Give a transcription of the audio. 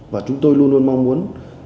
và chúng tôi luôn luôn mong muốn